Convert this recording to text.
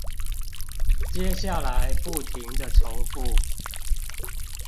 接下來不停的重複